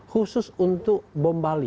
khusus untuk bom bali